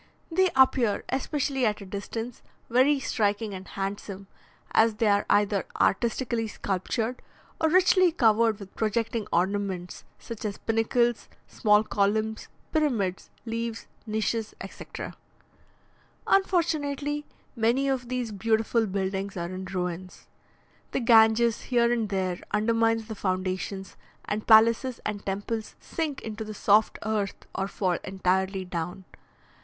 They appear, especially at a distance, very striking and handsome, as they are either artistically sculptured or richly covered with projecting ornaments, such as pinnacles, small columns, pyramids, leaves, niches, etc. Unfortunately, many of these beautiful buildings are in ruins. The Ganges here and there undermines the foundations, and palaces and temples sink into the soft earth or fall entirely down.